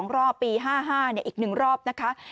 ๒รอบปี๕๕เนี่ยอีก๑รอบนะคะ